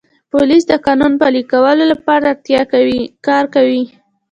پولیس د قانون پلي کولو لپاره کار کوي.